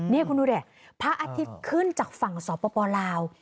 นี่คุณดูดิพระอาทิตย์ขึ้นจากฝั่งสปลาว